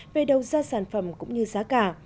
về đầu gia sản phẩm cũng như giá cả